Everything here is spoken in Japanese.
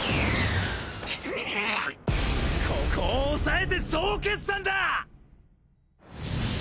ここを抑えて総決算だ！